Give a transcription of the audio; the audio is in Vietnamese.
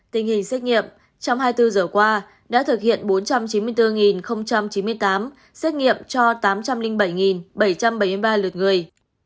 tình hình xét nghiệm trong hai mươi bốn giờ qua đã thực hiện bốn trăm chín mươi bốn chín mươi tám xét nghiệm cho tám trăm linh bảy bảy trăm bảy mươi ba lượt người